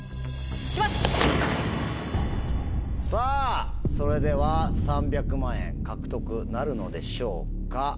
さぁそれでは３００万円獲得なるのでしょうか。